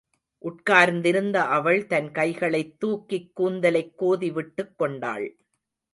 உட்கார்ந்திருந்த அவள் தன் கைகளைத் தூக்கிக் கூந்தலைக் கோதிவிட்டுக் கொண்டாள்.